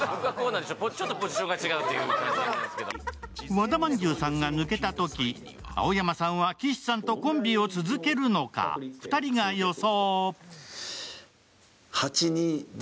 和田まんじゅうさんが抜けたとき、青山さんは岸さんとコンビを続けるのか、２人が予想。